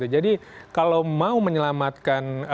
jadi kalau mau menyelamatkan